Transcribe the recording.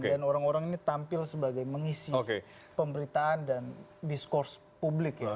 orang orang ini tampil sebagai mengisi pemberitaan dan diskurs publik ya